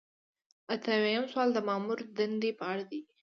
اته اویایم سوال د مامور د دندې په اړه دی.